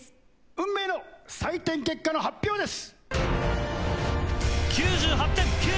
運命の採点結果の発表です！